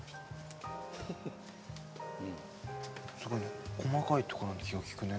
すごい細かいところに気が利くね